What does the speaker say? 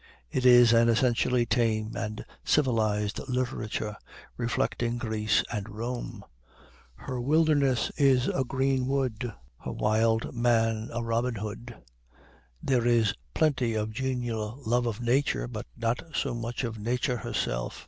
It is an essentially tame and civilized literature, reflecting Greece and Rome. Her wilderness is a green wood, her wild man a Robin Hood. There is plenty of genial love of Nature, but not so much of Nature herself.